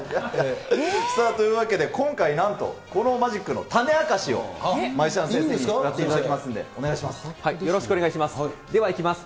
というわけで、今回なんと、このマジックの種明かしをマジシャン先生にやっていただきますのよろしくお願いします。